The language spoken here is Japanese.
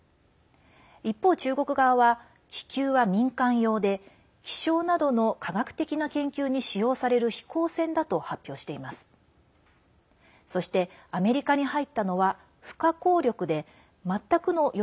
一方、中国側は気球は民間用で気象などの科学的な研究に使用される飛行船だと発表しています。